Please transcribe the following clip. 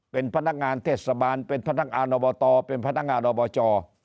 เป็นพนักงานเทศบาลเป็นพนักงานอบตเป็นพนักงานอบจ